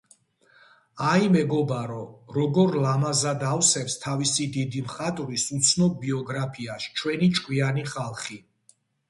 აი, მეგობარო, როგორ ლამაზად ავსებს თავისი დიდი მხატვრის უცნობ ბიოგრაფიას ჩვენი ჭკვიანი ხალხი